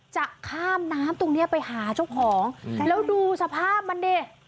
จะข้ามน้ำตรงเนี้ยไปหาเจ้าของแล้วดูสภาพมันดิ